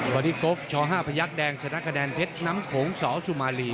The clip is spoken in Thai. พอดีโกฟช๕พยักษ์แดงสนับกระแดนเพชรน้ำโขงสสุมาลี